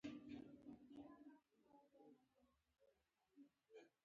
جواب هم رسېدلی وو.